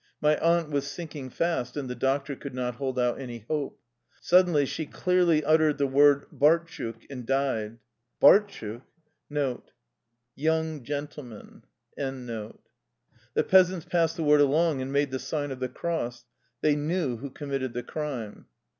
My aunt was sinking fast, and the doctor could not hold out any hope. Suddenly she clearly uttered the word bartchuk ^ and died. Bart chuk ! The peasants passed the word along, and made the sign of the cross. They knew who committed the crime.